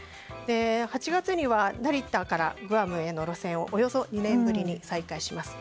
８月には成田からグアムへの路線をおよそ２年ぶりに再開します。